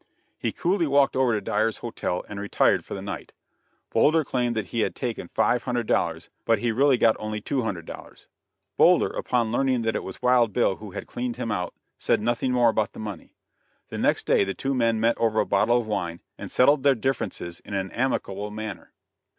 He coolly walked over to Dyer's hotel, and retired for the night. Boulder claimed that he had taken $500, but he really got only $200. Boulder, upon learning that it was Wild Bill who had cleaned him out, said nothing more about the money. The next day the two men met over a bottle of wine, and settled their differences in an amicable manner.